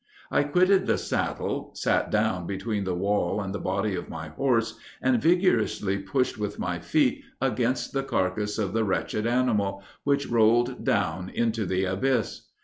I quitted the saddle, sat down between the wall and the body of my horse, and vigorously pushed with my feet against the carcass of the wretched animal, which rolled down into the abyss.